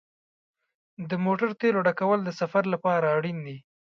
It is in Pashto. د موټر تیلو ډکول د سفر لپاره اړین دي.